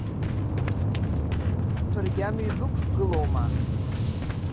Баргьы амҩа бықәгылоума?!